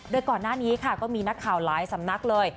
โดยก่อนหน้านี้ค่ะก็มีนักข่าวหลายสำนักเลย